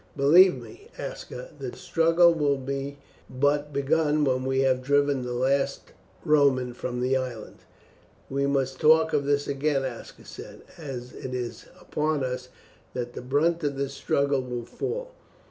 Believe me, Aska, the struggle will be but begun when we have driven the last Roman from the island." "We must talk of this again," Aska said, "as it is upon us that the brunt of this struggle will fall.